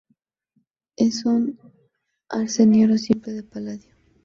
Es un arseniuro simple de paladio.